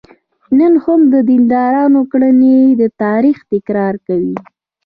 نن هم د دیندارانو کړنې د تاریخ تکرار کوي.